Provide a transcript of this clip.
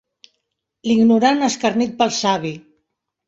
L'ignorant escarnit pel savi